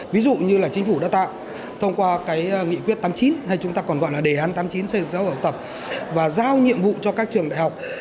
ví dụ như là chính phủ đã tạo thông qua cái nghị quyết tám mươi chín hay chúng ta còn gọi là đề án tám mươi chín c sáu học tập và giao nhiệm vụ cho các trường đại học